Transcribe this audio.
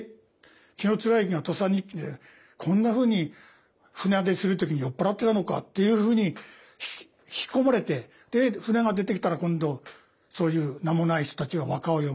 紀貫之が「土佐日記」でこんなふうに船出する時に酔っ払ってたのかっていうふうに引き込まれてで船が出てきたら今度そういう名もない人たちが和歌を詠む。